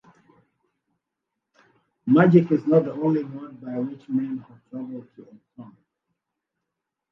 Magic is not the only road by which men have traveled to a throne.